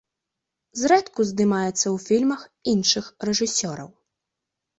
Зрэдку здымаецца ў фільмах іншых рэжысёраў.